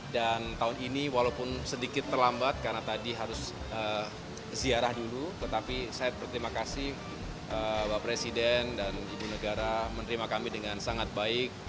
dan tahun ini walaupun sedikit terlambat karena tadi harus ziarah dulu tetapi saya berterima kasih bapak presiden dan ibu negara menerima kami dengan sangat baik